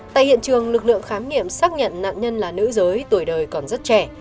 tại hiện trường lực lượng khám nghiệm xác nhận nạn nhân là nữ giới tuổi đời còn rất trẻ